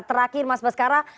terakhir mas baskara